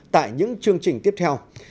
tại những chương trình tiếp theo